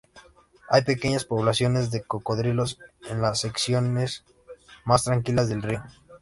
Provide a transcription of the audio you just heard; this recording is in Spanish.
Hay pequeñas poblaciones de cocodrilos en las secciones más tranquilas del río.